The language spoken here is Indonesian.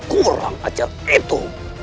kurang ajar itu